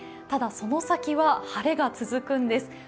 ただ、その先は晴れが続くんです。